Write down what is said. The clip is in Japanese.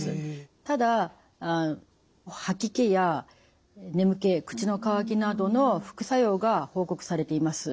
ただ吐き気や眠気口の渇きなどの副作用が報告されています。